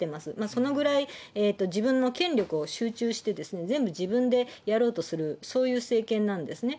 そのぐらい、自分の権力を集中して、全部自分でやろうとする、そういう政権なんですね。